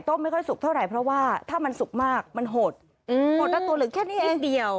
ไม่ค่อยสุกเท่าไหร่เพราะว่าถ้ามันสุกมากมันหดหดละตัวเหลือแค่นี้เองเดียว